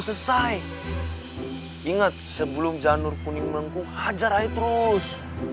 selesai ingat sebelum janur kuning mengkukuh ajar terus